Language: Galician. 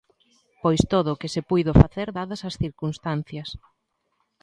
Pois todo o que se puido facer dadas as circunstancias.